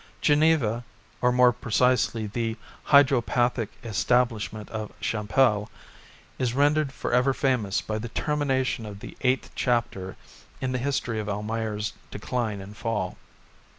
Geneva, or more precisely the hydropathic establishment of Champel, is rendered for ever famous by the termination of the eighth chapter in the history of Almayer's decline and fall.